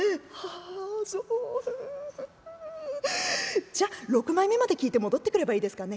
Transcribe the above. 「ああそううんじゃあ６枚目まで聞いて戻ってくればいいですかね」。